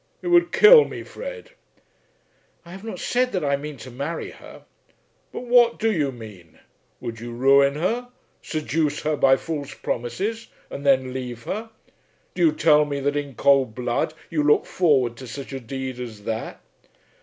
It would kill me, Fred." "I have not said that I mean to marry her." "But what do you mean? Would you ruin her; seduce her by false promises and then leave her? Do you tell me that in cold blood you look forward to such a deed as that?"